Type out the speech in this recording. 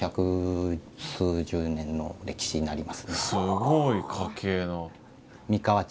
すごい家系の。